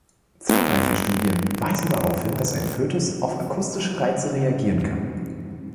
Zahlreiche Studien weisen darauf hin, dass ein Fötus auf akustische Reize reagieren kann.